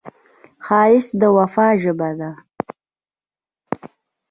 ښایست د وفا ژبه ده